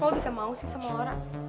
kok lo bisa mau sih sama laura